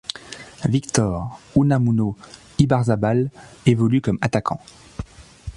Víctor Unamuno Ibarzabal évolue comme attaquant.